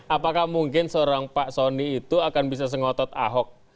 apakah mungkin seorang pak soni itu akan bisa sengotot ahok